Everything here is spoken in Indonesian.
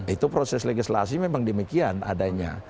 itu proses legislasi memang demikian adanya